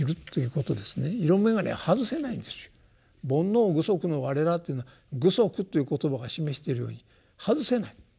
「煩悩具足のわれら」というのは具足という言葉が示してるように外せない。